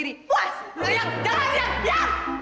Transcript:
kau mau ngajak